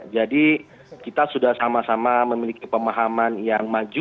jadi kita sudah sama sama memiliki pemahaman yang maju